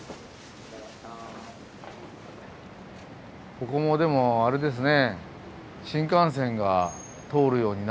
ここもでもあれですね。